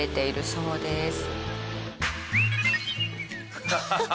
アハハハ！